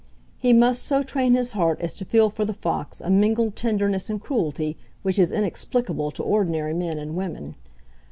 He must so train his heart as to feel for the fox a mingled tenderness and cruelty which is inexplicable to ordinary men and women.